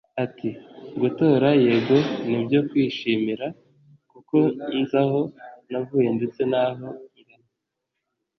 Ati ”Gutora yego ni ibyo kwishimira kuko nzi aho navuye ndetse n’aho ngana